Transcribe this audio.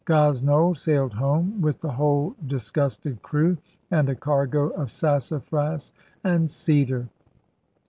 Gosnold sailed home with the whole disgusted crew and a cargo of sassafras and cedar.